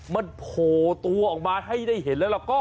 มันโผล่ตัวออกมาให้ได้เห็นแล้วก็